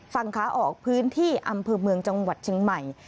ฝั่งขาออกพื้นที่อำเภอเมืองจังหวัดเชียงใหม่